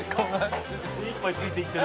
「精いっぱいついていってる」